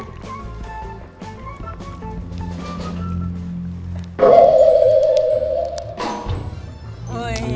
อื้อ